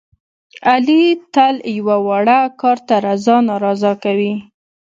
علي تل یوه واړه کار ته رضا نارضا کوي.